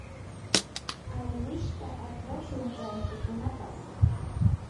alwishta akrashun rantikunapaq.